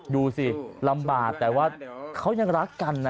ดูสิลำบากแต่ว่าเขายังรักกันนะ